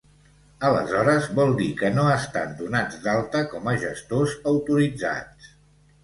Aleshores vol dir que no estan donats d'alta com a gestors autoritzats.